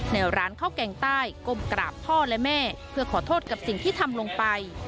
ในร้านข้าวแกงใต้ก้มกราบพ่อและแม่เพื่อขอโทษกับสิ่งที่ทำลงไป